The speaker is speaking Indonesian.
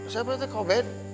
siapa itu kobet